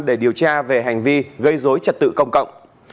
để điều tra về hành vi gây dối trật tự công cộng